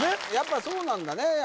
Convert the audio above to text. やっぱそうなんだね